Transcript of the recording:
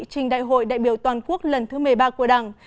trình đại hội đại biểu toàn quốc lần thứ một mươi ba của đảng